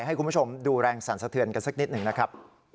ให้คุณผู้ชมดูแรงสั่นสะเทือนกันสักนิดหนึ่งนะครับ